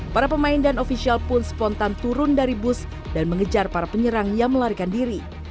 para pemain dan ofisial pun spontan turun dari bus dan mengejar para penyerang yang melarikan diri